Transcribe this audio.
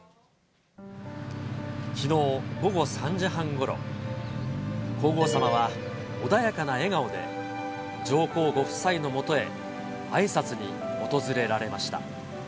きのう午後３時半ごろ、皇后さまは穏やかな笑顔で、上皇ご夫妻の元へあいさつに訪れられました。